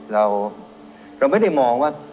เราไม่ได้มองว่า